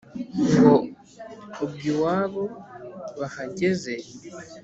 Ngo ubwo iwabo bahageze